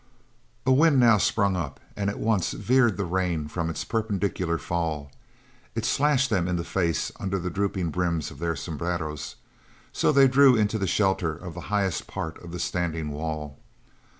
A wind now sprung up and at once veered the rain from its perpendicular fall. It slashed them in the face under the drooping brims of their sombreros, so they drew into the shelter of the highest part of the standing wall.